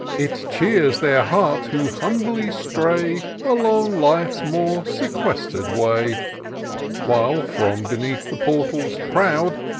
It cheers their hearts who humbly stray Along Life's more sequestered way : While, from beneath the portals proud.